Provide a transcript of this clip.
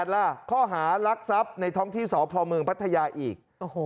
ล่ะข้อหารักทรัพย์ในท้องที่สพเมืองพัทยาอีก